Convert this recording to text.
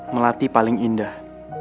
melati paling indah